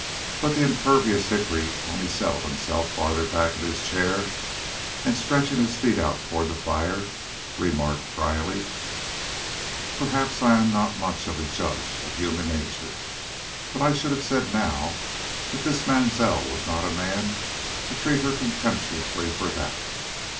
But the impervious Hickory only settled himself farther back in his chair, and stretching his feet out toward the fire, remarked dryly: "Perhaps I am not much of a judge of human nature, but I should have said now that this Mansell was not a man to treat her contemptuously for that.